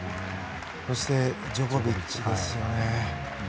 そして、ジョコビッチですよね。